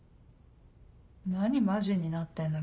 何マジになってんの？